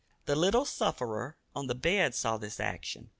The little sufferer on the bed saw this action.